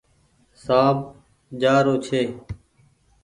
سآنپ جآ رو ڇي۔